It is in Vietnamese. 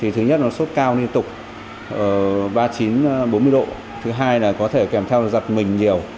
thứ hai là có thể kèm theo giật mình nhiều